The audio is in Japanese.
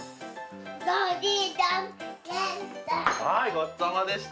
ごちそうさまでした。